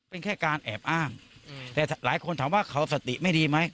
เป็นแค่การแอบอ้างแต่หลายคนถามว่าเขาสติไม่ดีไหม